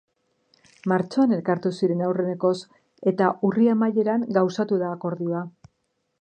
Martxoan elkartu ziren aurrenekoz eta urri amaieran gauzatu da akordioa.